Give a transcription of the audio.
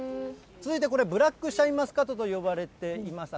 続いてこれ、ブラックシャインマスカットと呼ばれていました。